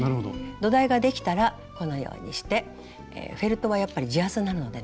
土台ができたらこのようにしてフェルトはやっぱり地厚なのでね